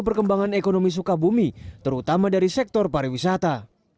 perkembangan ekonomi sukabumi terutama dari sektor pariwisata